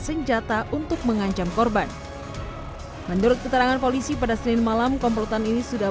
senjata untuk mengancam korban menurut keterangan polisi pada senin malam komplotan ini sudah